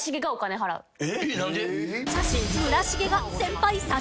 何で？